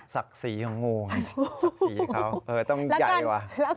สักศรีของงูสักศรีของเขาต้องใหญ่กว่า